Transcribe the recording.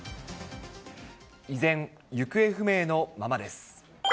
依然、行方不明のままです。